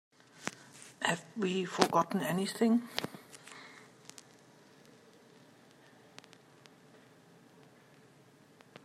Have we forgotten anything?